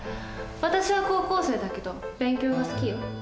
私は高校生だけど勉強が好きよ。